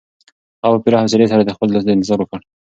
هغه په پوره حوصلي سره د خپل دوست انتظار وکړ.